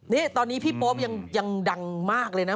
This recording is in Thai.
นี่ตอนนี้พี่โป๊ปยังดังมากเลยนะ